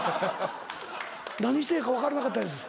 何してええか分からなかったです。